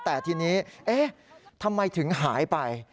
แต่ทีนี้เอ๊ะทำไมถึงหายไป